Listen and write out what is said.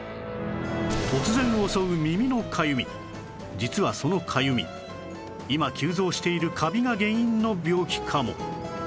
実はそのかゆみ今急増しているカビが原因の病気かも